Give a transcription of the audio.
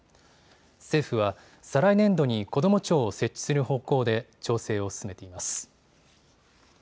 政府は再来年度にこども庁を設置する方向で調整を進めています。